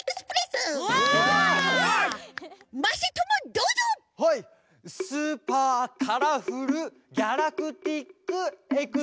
スーパーカラフルギャラクティックエクス。